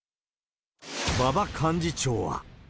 馬場幹事長は。